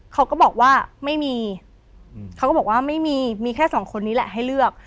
เขาก็บอกว่าไม่มีเขาก็บอกว่าไม่มีมีแค่สองคนนี้แหละให้เลือก